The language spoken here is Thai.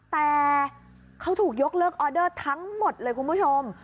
แต่เขาถูกยกเลิกออเดอร์ทั้งหมดเลยคุณผู้ชม